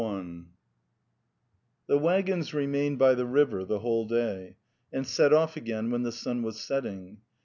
VI The waggons remained by the river the whole day, and set off again when the sun was setting.